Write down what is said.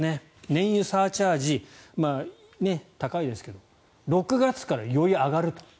燃油サーチャージ、高いですが６月からより上がると。